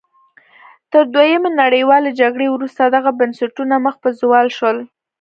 تر دویمې نړیوالې جګړې وروسته دغه بنسټونه مخ په زوال شول.